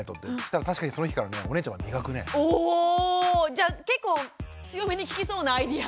じゃあ結構強めに効きそうなアイデア。